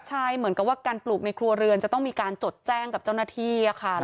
ใช่เหมือนกับว่าการปลูกในครัวเรือนจะต้องมีการจดแจ้งกับเจ้าหน้าที่ค่ะ